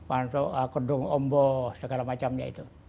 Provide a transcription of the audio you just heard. untuk kudung omboh segala macamnya itu